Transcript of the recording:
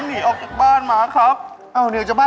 ที่ป่าทำไมเนี่ย